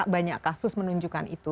banyak kasus menunjukkan itu